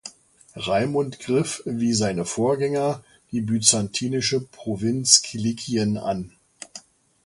Raimund griff, wie seine Vorgänger, die byzantinische Provinz Kilikien an.